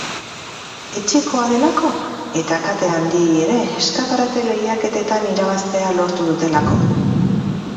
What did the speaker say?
Etxekoa delako, eta kate handiei ere eskaparate lehiaketetan irabaztea lortu dutelako.